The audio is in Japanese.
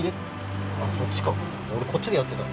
そっちか俺こっちでやってた。